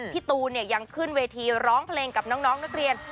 พี่ตูนยังขึ้นเวทีร้องเพลงกับน้องนักเรียน